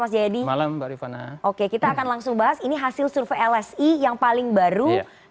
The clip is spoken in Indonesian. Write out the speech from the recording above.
mas jadi malam barifana oke kita akan langsung bahas ini hasil survei lsi yang paling baru tiga belas